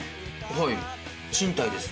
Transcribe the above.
はい賃貸です。